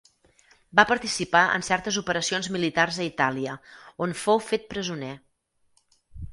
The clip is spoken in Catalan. Va participar en certes operacions militars a Itàlia, on fou fet presoner.